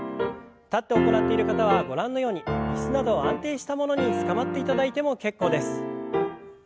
立って行っている方はご覧のように椅子など安定したものにつかまっていただいても結構です。